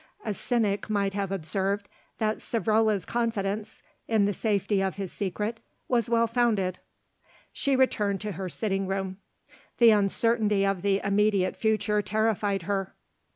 A cynic might have observed that Savrola's confidence, in the safety of his secret, was well founded. She returned to her sitting room. The uncertainty of the immediate future terrified her.